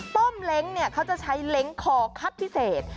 ้มเล้งเขาจะใช้เล้งคอคัดพิเศษ